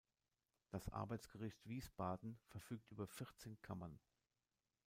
Das Arbeitsgericht Wiesbaden verfügt über vierzehn Kammern.